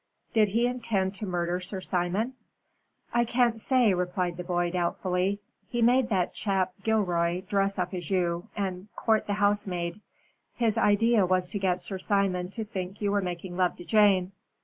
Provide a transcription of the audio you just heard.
"Did he intend to murder Sir Simon?" "I can't say," replied the boy, doubtfully. "He made that chap, Gilroy, dress up as you, and court the housemaid. His idea was to get Sir Simon to think you were making love to Jane.